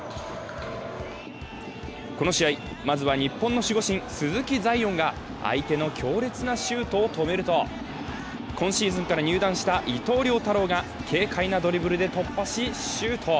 この試合、まずは日本の守護神・鈴木彩艶が相手の強烈なシュートを止めると今シーズンから入団した伊藤涼太郎が軽快なドリブルで突破し、シュート。